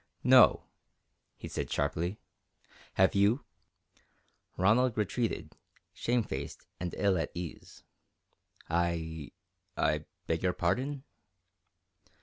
"No," he said sharply, "have you?" Ronald retreated, shamefaced and ill at ease. "I I beg your pardon."